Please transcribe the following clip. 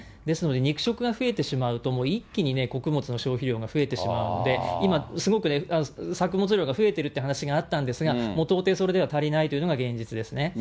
ですので、肉食が増えてしまうと、もう一気にね、穀物の消費量が増えてしまうので、今、すごく作物量が増えてるっていう話があったんですが、もう到底それでは足りないというのが現実ですね。